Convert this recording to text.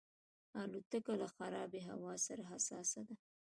الوتکه له خرابې هوا سره حساسه ده.